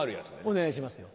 お願いしますよ。